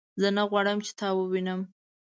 زه نه غواړم چې تا ووینم